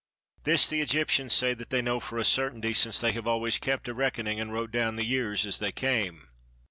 This the Egyptians say that they know for a certainty, since they always kept a reckoning and wrote down the years as they came.